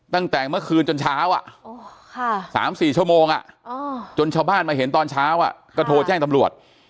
ตั้งแต่เมื่อคืนจนเช้า๓๔ชั่วโมงจนชาวบ้านมาเห็นตอนเช้าก็โทรแจ้งตำรวจ